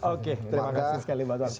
oke terima kasih sekali mbak tati